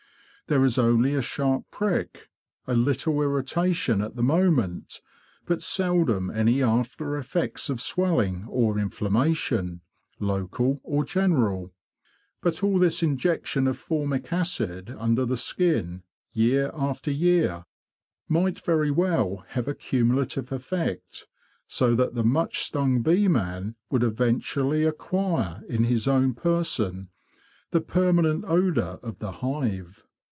There is only a sharp prick, a little irritation at the moment, but seldom any after effects of swelling or inflammation, local or general. But all this injection of formic acid under the skin year after year might very well have a cumulative effect, so that the much stung bee man would eventually acquire in his own person the permanent odour of the hive.